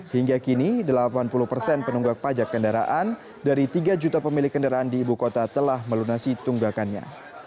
hingga kini delapan puluh persen penunggak pajak kendaraan dari tiga juta pemilik kendaraan di ibu kota telah melunasi tunggakannya